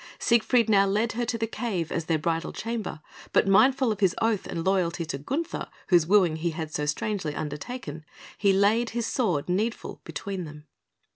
Siegfried now led her to the cave as their bridal chamber, but, mindful of his oath and loyalty to Gunther, whose wooing he had so strangely undertaken, he laid his sword, Needful, between them.